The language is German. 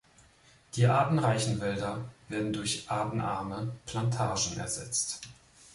Die artenreichen Wälder werden durch artenarme Plantagen ersetzt.